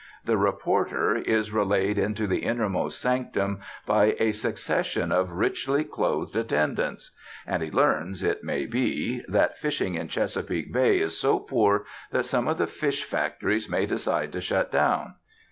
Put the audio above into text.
The reporter is relayed into the innermost sanctum by a succession of richly clothed attendants. And he learns, it may be, that fishing in Chesapeake Bay is so poor that some of the "fish factories" may decide to shut down.